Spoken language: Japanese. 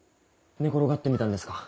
寝転がってみたんですか？